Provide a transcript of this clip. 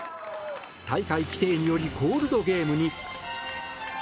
大会規定によりコールドゲームに。